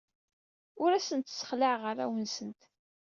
Ur asent-ssexlaɛeɣ arraw-nsent.